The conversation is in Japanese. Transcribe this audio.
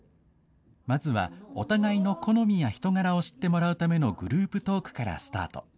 まずはお互いの好みや人柄を知ってもらうためのグループトークからスタート。